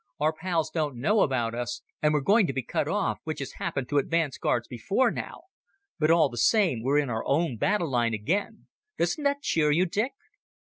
Our pals don't know about us, and we're going to be cut off, which has happened to advance guards before now. But all the same, we're in our own battle line again. Doesn't that cheer you, Dick?"